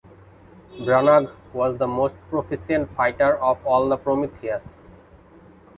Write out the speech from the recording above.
Brannagh was the most proficient fighter of all the Prometheas.